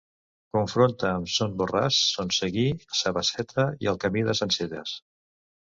Confronta amb Son Borràs, Son Seguí, sa Basseta i el camí de Sencelles.